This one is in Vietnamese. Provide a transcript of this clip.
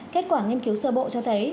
kết quả nghiên cứu sơ bộ cho thấy